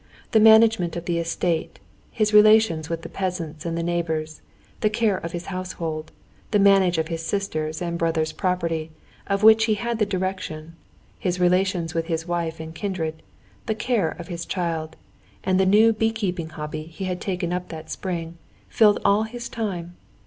The management of the estate, his relations with the peasants and the neighbors, the care of his household, the management of his sister's and brother's property, of which he had the direction, his relations with his wife and kindred, the care of his child, and the new bee keeping hobby he had taken up that spring, filled all his time.